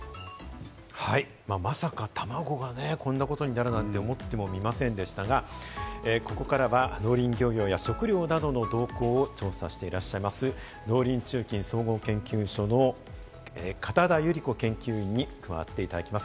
まさか、たまごがね、こんなことになるなんて思ってもみませんでしたが、ここからは農林漁業や食料などの動向を調査している農林中金総合研究所の片田百合子研究員に加わっていただきます。